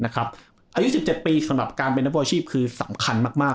นะครับอายุ๑๗ปีสำหรับการเป็นนักภูมิอาชีพคือสำคัญมาก